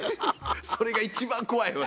それが一番怖いわ。